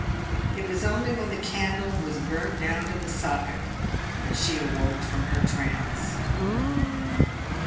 It was only when the candle was burnt down to the socket that she awoke from her trance.